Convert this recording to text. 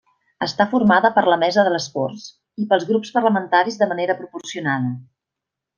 Està formada per la Mesa de les Corts i pels grups parlamentaris de manera proporcionada.